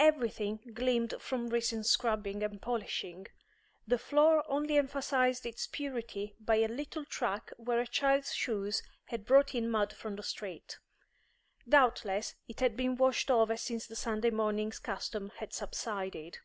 Every thing gleamed from recent scrubbing and polishing; the floor only emphasised its purity by a little track where a child's shoes had brought in mud from the street; doubtless it had been washed over since the Sunday morning's custom had subsided.